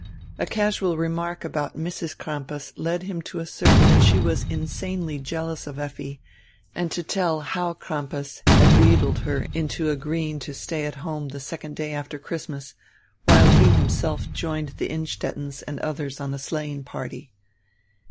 A casual remark about Mrs. Crampas led him to assert that she was insanely jealous of Effi, and to tell how Crampas had wheedled her into agreeing to stay at home die second day after Christmas, while he himself joined die Innstettens and others on a sleighing party.